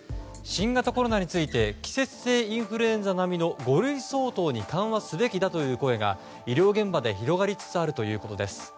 新型コロナについて季節性インフルエンザ並みの五類相当に緩和すべきだという声が医療現場で広がりつつあるということです。